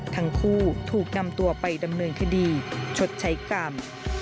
ทั้งคู่ถูกนำตัวไปดำเนินคดีชดใช้กรรม